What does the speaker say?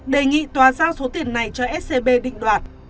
đề nghị tòa giao số tiền này cho scb định đoạt